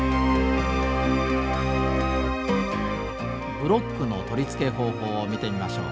ブロックの取り付け方法を見てみましょう。